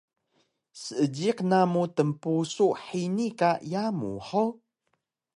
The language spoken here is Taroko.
Seejiq namu tnpusu hini ka yamu hug?